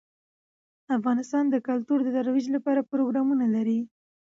افغانستان د کلتور د ترویج لپاره پروګرامونه لري.